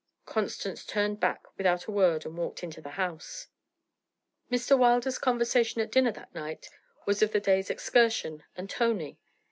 Constance turned back without a word and walked into the house. Mr. Wilder's conversation at dinner that night was of the day's excursion and Tony.